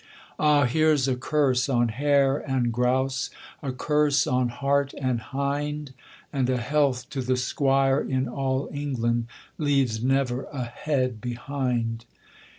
'Ah, here's a curse on hare and grouse, A curse on hart and hind; And a health to the squire in all England, Leaves never a head behind.'